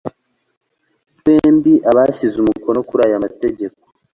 Twebwe abashyize umukono kuri aya mategeko